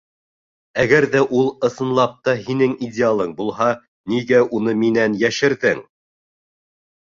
Әгәр ҙә ул ысынлап та һинең идеалың булһа, нигә уны минән йәшерҙең?!